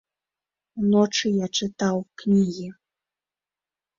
Уночы я чытаў кнігі.